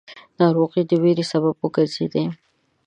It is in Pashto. ناروغۍ د وېرو سبب وګرځېدې.